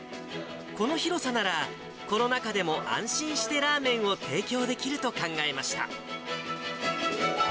この広さなら、コロナ禍でも安心してラーメンを提供できると考えました。